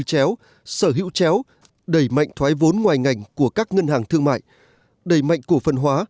chéo sở hữu chéo đẩy mạnh thoái vốn ngoài ngành của các ngân hàng thương mại đẩy mạnh cổ phân hóa